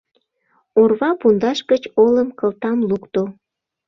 Орва пундаш гыч олым кылтам лукто.